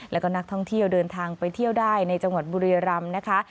แล้วก็นักท่องเที่ยวเดินทางไปเที่ยวได้ในจังหวัดบุรียรำนะคะ